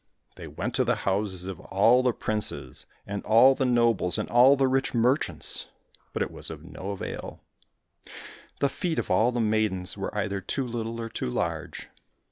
They went to the houses of all the princes, and all the nobles, and all the rich merchants, but it was of no avail. The feet of all the maidens were either too little or too large.